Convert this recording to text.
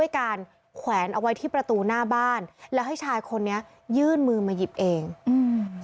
การแขวนเอาไว้ที่ประตูหน้าบ้านแล้วให้ชายคนนี้ยื่นมือมาหยิบเองอืม